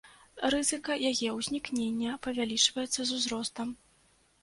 Рызыка яе ўзнікнення павялічваецца з узростам.